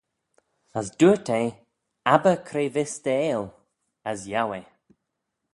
As dooyrt eh, Abbyr cre vees dty aill, as yiow eh.